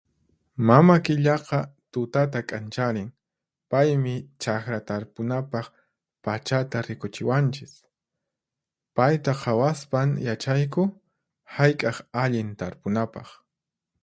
Mama Killaqa tutata k'ancharin, paymi chaqra tarpunapaq pachata rikuchiwanchis. Payta qhawaspan yachayku hayk'aq allin tarpunapaq.